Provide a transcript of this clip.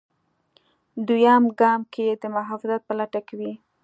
دویم ګام کې د محافظت په لټه کې وي.